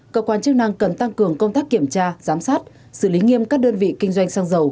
cơ quan chức năng cần tăng cường công tác kiểm tra giám sát xử lý nghiêm các đơn vị kinh doanh xăng dầu